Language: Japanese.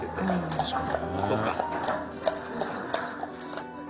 そうか。